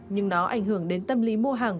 nhưng nó ảnh hưởng đến tâm lý mua hàng